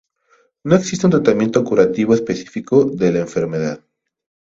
No existe un tratamiento curativo específico de la enfermedad.